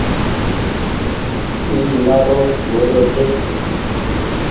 اي مآرو گوڏو ڇي۔